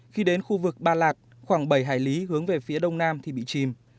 khi đến khu vực ba lạc khoảng bảy hải lý hướng về phía đông nam thì bị chìm